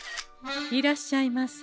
いらっしゃいませ。